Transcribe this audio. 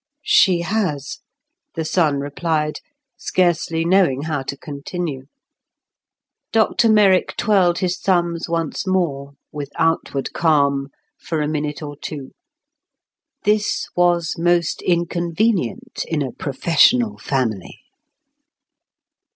"She has," the son replied, scarcely knowing how to continue. Dr Merrick twirled his thumbs once more, with outward calm, for a minute or two. This was most inconvenient in a professional family.